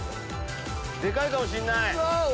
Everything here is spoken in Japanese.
でかいかもしんない。